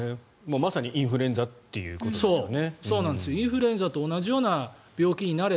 まさにインフルエンザっていうことですよね。